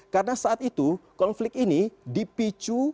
karena saat itu konflik ini dipicu